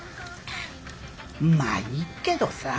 まあいいけどさ。